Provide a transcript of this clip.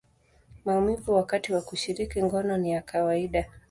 maumivu wakati wa kushiriki ngono ni ya kawaida.